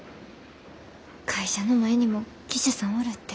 会社の前にも記者さんおるって。